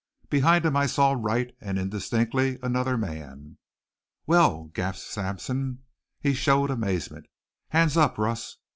Behind him I saw Wright and indistinctly, another man. "Well!" gasped Sampson. He showed amazement. "Hands up, Russ!"